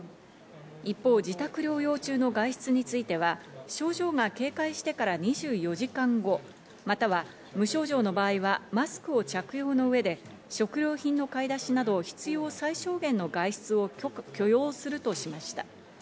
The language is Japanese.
一方、自宅療養中の外出については症状が軽快してから２４時間後、または無症状の場合はマスクを着用の上で食料品の買出しなど必要最小限の外出を許容するとしました。